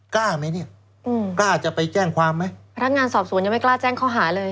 กล้าไหมเนี่ยอืมกล้าจะไปแจ้งความไหมพนักงานสอบสวนยังไม่กล้าแจ้งข้อหาเลย